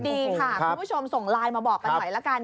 ดีค่ะคุณผู้ชมส่งไลน์มาบอกกันหน่อยละกัน